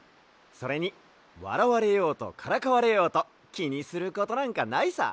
それにわらわれようとからかわれようときにすることなんかないさ。